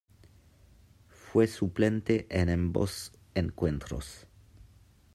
Fue suplente en ambos encuentros.